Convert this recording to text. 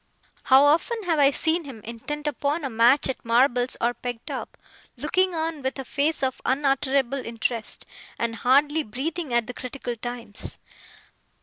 How often have I seen him, intent upon a match at marbles or pegtop, looking on with a face of unutterable interest, and hardly breathing at the critical times!